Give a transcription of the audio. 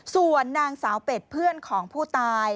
ส่วนนางสาวเป็ดเพื่อนของผู้ตาย